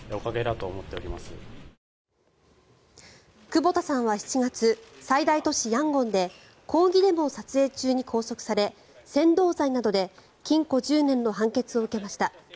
久保田さんは７月最大都市ヤンゴンで抗議デモを撮影中に拘束され扇動罪などで禁錮１０年の判決を受けました。